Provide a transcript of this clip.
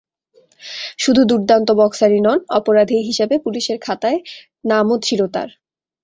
শুধু দুর্দান্ত বক্সারই নন, অপরাধী হিসেবে পুলিশের খাতায় নামও ছিল তাঁর।